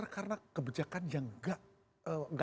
karena kebijakan yang gak eng